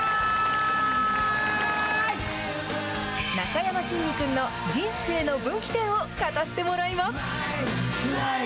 なかやまきんに君の人生の分岐点を語ってもらいます。